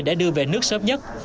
để đưa về nước sớm nhất